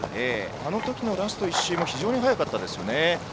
あのときのラスト１周も非常に速かったですね。